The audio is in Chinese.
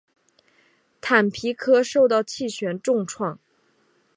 坦皮科受到气旋重创。